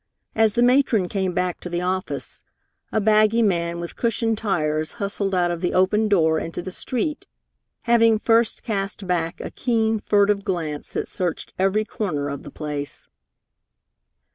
As the matron came back to the office, a baggy man with cushioned tires hustled out of the open door into the street, having first cast back a keen, furtive glance that searched every corner of the place.